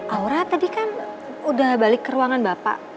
aura tadi kan udah balik ke ruangan bapak